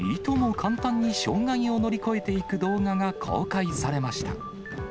簡単に障害を乗り越えていく動画が公開されました。